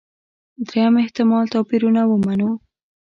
درېیم احتمال توپيرونه ومنو.